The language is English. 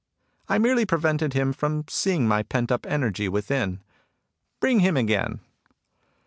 I merely prevented him from seeing my pent up energy within. Bring him again."